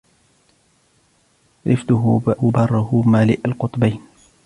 رِفدُهّ برّهُ مالئ القطبين